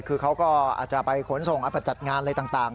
คือเขาก็อาจจะไปขนส่งจัดงานอะไรต่าง